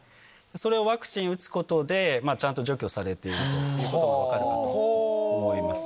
それをワクチン打つことで、ちゃんと除去されているということが分かるかと思います。